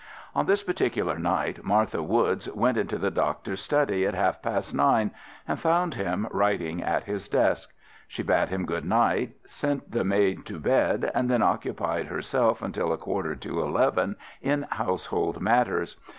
On this particular night Martha Woods went into the doctor's study at half past nine, and found him writing at his desk. She bade him good night, sent the maid to bed, and then occupied herself until a quarter to eleven in household matters.